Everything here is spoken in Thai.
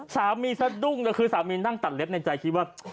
สะดุ้งเลยคือสามีนั่งตัดเล็บในใจคิดว่า